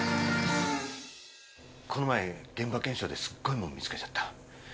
この前現場検証ですっごいもん見つけちゃった。